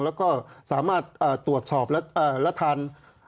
แล้วก็สามารถตรวจสอบและทาน